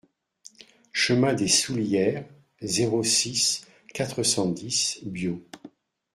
Chemin des Soullieres, zéro six, quatre cent dix Biot